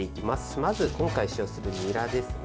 まず今回、使用するにらですね。